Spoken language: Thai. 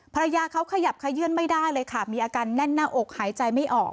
ภรรยาเขาขยับขยื่นไม่ได้เลยค่ะมีอาการแน่นหน้าอกหายใจไม่ออก